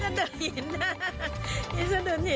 นี่ฉันเห็น